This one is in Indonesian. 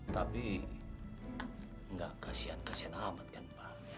tapi enggak kasihan kasihan amat kan mba